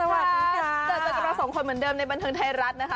เจอเจอเจอเราสองคนเหมือนเดิมในบันทึงไทยรัฐนะคะ